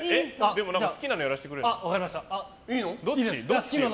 好きなのやらせてくれるの？